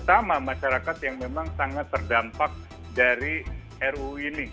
terutama masyarakat yang memang sangat terdampak dari ruu ini